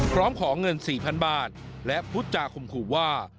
พร้อมขอเงิน๔๐๐๐บาทและพุทธจาข่มขู่ว่า